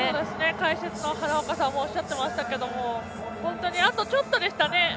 解説の花岡さんもおっしゃっていましたが本当にあとちょっとでしたね。